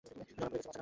ধরা পড়ে গেছো বাছাধন!